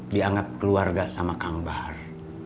dianggap keluarga sama kang bahar